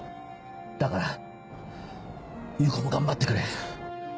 だから裕子も頑張ってくれ。